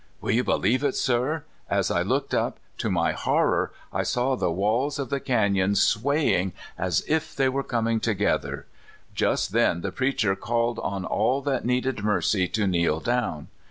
Will you believe it, sir? as I looked up, to my horror I saw the walls of the canon swaying as if they w r ere coming together! Just then the preacher called on all that needed mercy to kneel down.